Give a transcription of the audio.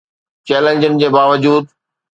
چئلينجن جي باوجود